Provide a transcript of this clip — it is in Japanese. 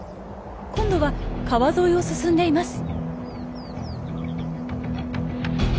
今度は川沿いを進んでいます。